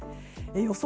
予想